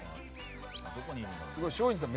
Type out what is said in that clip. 松陰寺さん